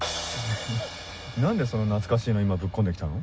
え何でそんな懐かしいの今ぶっ込んで来たの？